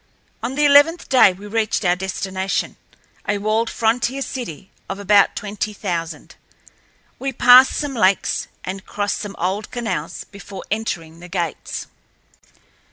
On the eleventh day we reached our destination—a walled frontier city of about twenty thousand. We passed some lakes, and crossed some old canals before entering the gates.